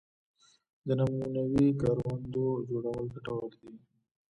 د نمونوي کروندو جوړول ګټور دي